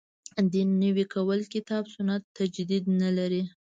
دین نوی کول کتاب سنت تجدید نه لري.